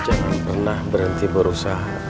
jangan pernah berhenti berusaha